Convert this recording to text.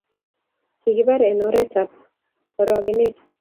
Kikipar en oret ab orokenet